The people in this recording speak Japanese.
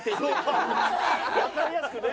わかりやすくね。